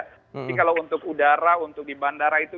jadi kalau untuk udara untuk di bandara itu